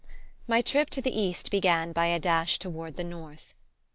My trip to the east began by a dash toward the north.